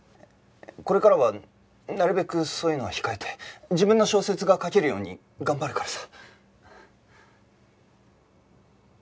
これからはなるべくそういうのは控えて自分の小説が書けるように頑張るからさ。